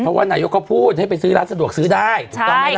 เพราะว่านายกก็พูดให้ไปซื้อร้านสะดวกซื้อได้ถูกต้องไหมครับ